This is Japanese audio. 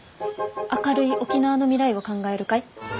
「明るい沖縄の未来を考える会」。